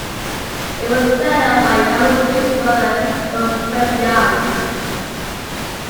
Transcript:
It was set up by Young's twin brother Rupert Young.